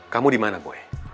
kamu dimana boy